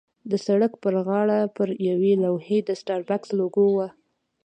د سړک پر غاړه پر یوې لوحې د سټاربکس لوګو وه.